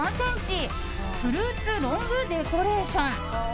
フルーツロングデコレーション。